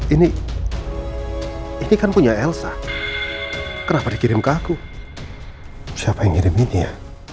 ini ini kan punya elsa kenapa dikirim ke aku siapa yang ngirim ini ya